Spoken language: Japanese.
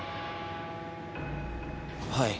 はい。